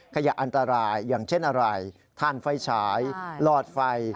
ขยะอันตรายอย่างเช่นอะไรทานไฟฉายหลอดไฟ